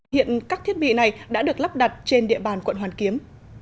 hiện các thiết bị này đã được lắp đặt trên địa bàn quận hoàn kiếm